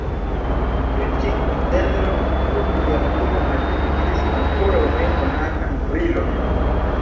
Tiu ĉi ĝenro sub lia plumo atingis ankoraŭ ne konatan brilon.